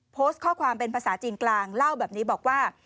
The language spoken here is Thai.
โพสต์ข้อความเป็นภาษาจีนกลางเล่าแบบนี้บอกว่า